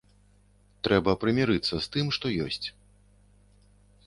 Трэба прымірыцца з тым, што ёсць.